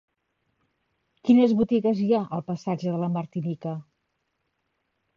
Quines botigues hi ha al passatge de la Martinica?